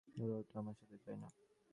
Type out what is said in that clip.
আর ওটা আমার সাথে যায় না।